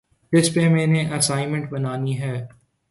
جس پہ میں نے اسائنمنٹ بنانی ہے